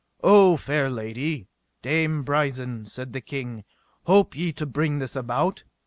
O fair lady, Dame Brisen, said the king, hope ye to bring this about?